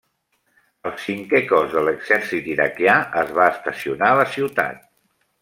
El cinquè cos de l'exèrcit iraquià es va estacionar a la ciutat.